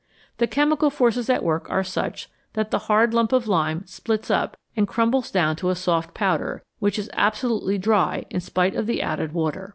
The chemical forces at work are such that the hard lump of lime splits up and crumbles down to a soft powder, which is absolutely dry in spite of the added water.